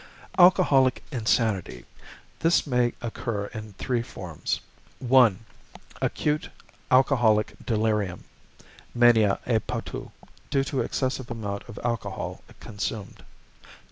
=Alcoholic Insanity.= This may occur in three forms: 1. Acute Alcoholic Delirium (mania a potu), due to excessive amount of alcohol consumed.